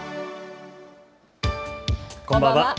こんばんは。